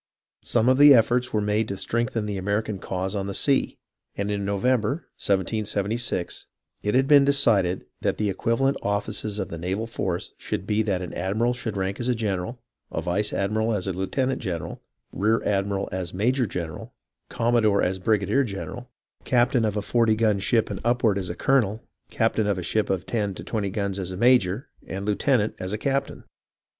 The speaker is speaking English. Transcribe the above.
Some efforts were made to strengthen the American cause on the sea, and in November, 1776, it had been de cided that the equivalent offices of the naval force should be that an admiral should rank as a general, a vice admiral as lieutenant general, rear admiral as major general, com modore as brigadier general, captain of a forty gun ship and upward as a colonel, captain of a ship of ten to twenty guns as major, and a lieutenant as captain.